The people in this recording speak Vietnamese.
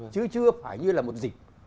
chứ chưa phải như là một dịch